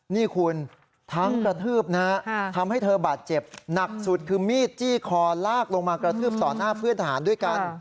นี่คุณทั้งกระทืบนะฮะทำให้เธอบาดเจ็บหนักสุดคือมีดจี้คอลากลงมากระทืบต่อหน้าเพื่อนทหารด้วยกัน